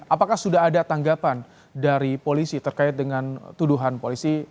apakah sudah ada tanggapan dari polisi terkait dengan tuduhan polisi